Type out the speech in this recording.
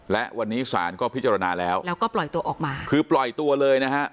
และวันนี้ศาลก็พิจารณาแล้วแล้วก็ปล่อยตัวออกมาคือปล่อยตัวเลยนะฮะ